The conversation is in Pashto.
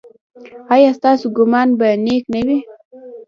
ایا ستاسو ګمان به نیک نه وي؟